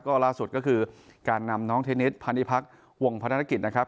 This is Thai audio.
ก็ล่าสุดก็คือการนำน้องเทนิสพาณิพักษ์วงพนักกิจนะครับ